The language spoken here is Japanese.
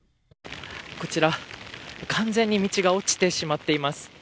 こちら、完全に道が落ちてしまっています。